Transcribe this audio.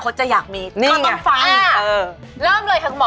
เริ่มเลย